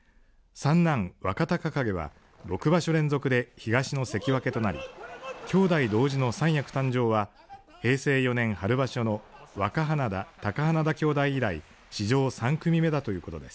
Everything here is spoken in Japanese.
三男若隆景は６場所連続で東の関脇となり兄弟同時の三役誕生は平成４年春場所の若花田、貴花田兄弟以来史上３組目だということです。